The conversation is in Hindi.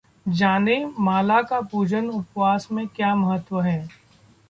जानें, माला का पूजा उपासना में क्या महत्व है?